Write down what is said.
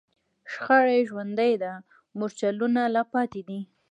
شخړه یې ژوندۍ ده، مورچلونه یې لا پاتې دي